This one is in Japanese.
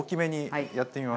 はい。